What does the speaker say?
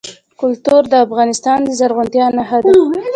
کلتور د افغانستان د زرغونتیا نښه ده.